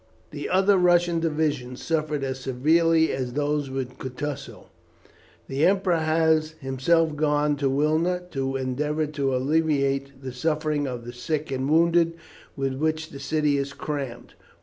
The other Russian divisions suffered as severely as those with Kutusow. The Emperor has himself gone to Wilna to endeavour to alleviate the sufferings of the sick and wounded, with which the city is crammed.